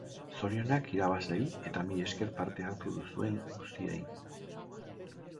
Zorionak irabazleei eta mila esker parte hartu duzuen guztiei!